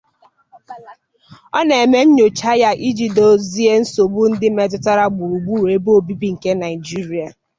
Ọ na-eme nnyocha ya iji dozie nsogbu ndị metụtara gburugburu ebe obibi nke Naịjirịa.